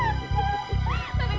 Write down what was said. kamu harus berhasil